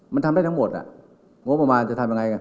มันทำได้ทั้งหมดงบประมาณจะทำยังไง